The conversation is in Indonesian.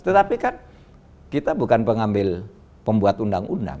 tetapi kan kita bukan pengambil pembuat undang undang